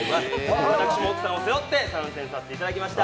私も奥さんを背負って参戦させていただきました。